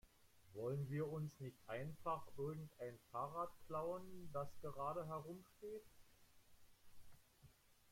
Wollen wir uns nicht einfach irgendein Fahrrad klauen, das gerade herumsteht?